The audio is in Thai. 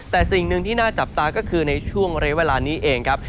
แต่สิ่งหนึ่งที่น่าจับตาก็คือในช่วงระยะเวลานี้เองครับ